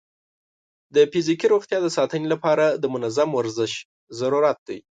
د فزیکي روغتیا د ساتنې لپاره د منظم ورزش ضرورت دی.